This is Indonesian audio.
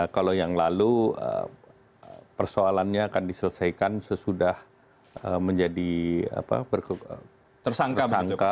kalau yang lalu persoalannya akan diselesaikan sesudah menjadi tersangka